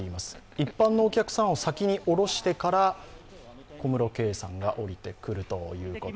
一般のお客さんを先に降ろしてから小室圭さんが降りてくるということ。